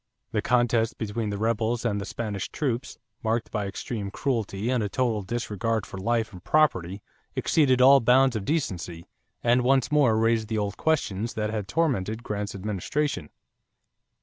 The contest between the rebels and the Spanish troops, marked by extreme cruelty and a total disregard for life and property, exceeded all bounds of decency, and once more raised the old questions that had tormented Grant's administration.